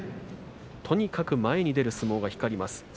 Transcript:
とにかく前に出る相撲が光ります